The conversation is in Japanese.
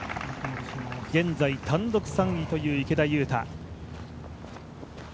現在、単独３位という池田勇太。